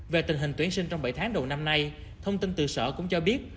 về tình hình tuyển sinh trong bảy tháng đầu năm nay thông tin từ sở cũng cho biết